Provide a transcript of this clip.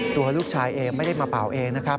ตัวลูกชายเองไม่ได้มาเป่าเองนะครับ